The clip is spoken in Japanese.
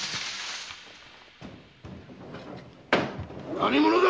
何者だ！